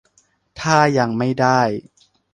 ถ้ายังไม่ได้